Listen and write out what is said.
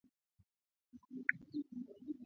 Yabakia kwenye kiwango cha kipato cha chini